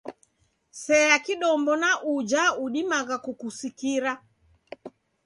Sea kidombo na uja udimagha kukusikira.